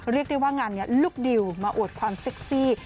เรียกได้ว่างานนี้ลูกดิวมาอวดความเซ็กซี่